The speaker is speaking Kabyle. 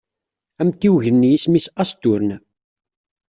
Amtiweg-nni isem-nnes Asturn.